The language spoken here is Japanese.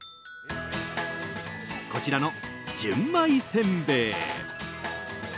こちらの純米せんべい。